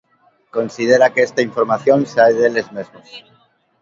Considera que esta información sae "deles mesmos".